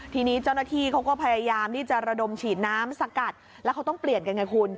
ทีนี้เจ้าหน้าที่เขาก็พยายามที่จะระดมฉีดน้ำสกัดแล้วเขาต้องเปลี่ยนกันไงคุณ